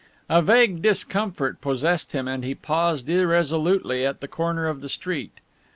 A vague discomfort possessed him and he paused irresolutely at the corner of the street.